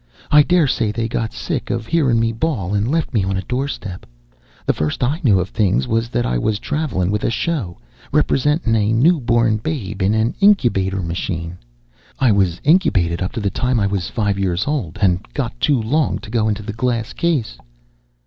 I dare say they got sick of hearin' me bawl and left me on a doorstep. The first I knew of things was that I was travelin' with a show, representin' a newborn babe in an incubator machine. I was incubated up to the time I was five years old, and got too long to go in the glass case."